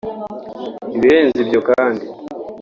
Ibirenze ibyo kandi